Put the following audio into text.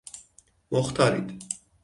مختارید